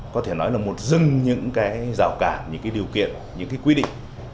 có thể nói là một dừng những cái rào cản những cái điều kiện những cái quy định